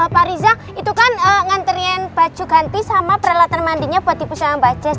pak riza itu kan nganterin pak juganti sama prelatar mandinya buat ibu sama mbak jess